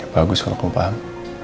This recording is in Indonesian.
bagus kalau kamu paham